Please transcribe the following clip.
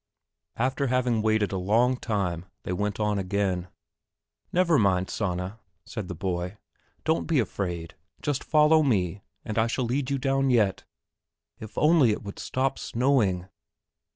After having waited for a long time they went on again. "Never mind, Sanna," said the boy, "don't be afraid, just follow me and I shall lead you down yet. If only it would stop snowing!"